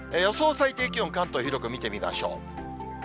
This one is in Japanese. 最低気温、関東広く見てみましょう。